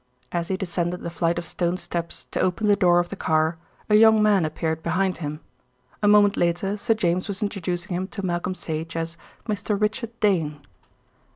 As he descended the flight of stone steps to open the door of the car, a young man appeared behind him. A moment later Sir James was introducing him to Malcolm Sage as "Mr. Richard Dane."